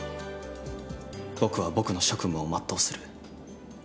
僕は僕の職務を全うする。